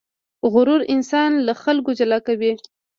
غرور انسان له خلکو جلا کوي.